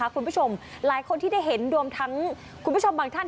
คุณผู้ชมหลายคนที่ได้เห็นรวมทั้งคุณผู้ชมบางท่าน